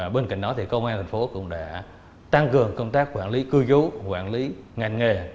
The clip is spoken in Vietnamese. bên cạnh đó công an thành phố cũng đã tăng cường công tác quản lý cư dấu quản lý ngành nghề